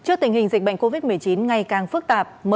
trước tình hình dịch bệnh covid một mươi chín ngày càng phức tạp